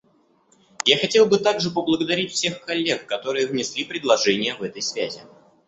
Я хотел бы также поблагодарить всех коллег, которые внесли предложения в этой связи.